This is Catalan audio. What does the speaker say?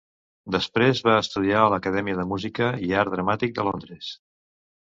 Després va estudiar a l'Acadèmia de Música i Art Dramàtic de Londres.